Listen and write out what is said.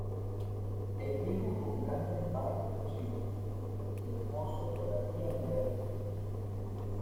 el viejo con grandes barbas de chivo, y el mozo todavía imberbe.